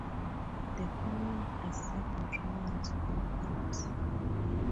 The commune has seven primary school groups.